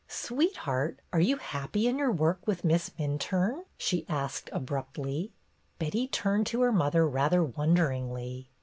"Sweetheart, are you happy in your work with Miss Minturne ?" she asked abruptly. Betty turned to her mother rather wonder ingly.